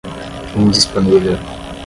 indisponível